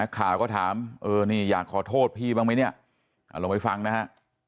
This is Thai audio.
ข่าวก็ถามเออนี่อยากขอโทษพี่บ้างไหมเนี่ยลองไปฟังนะฮะ